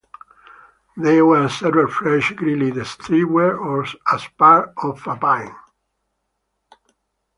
They were served fresh, grilled, stewed or as part of a pie.